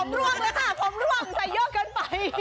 ร่วงเลยค่ะผมร่วงใส่เยอะเกินไป